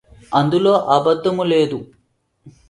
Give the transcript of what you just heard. అందులో అబద్ధము లేదు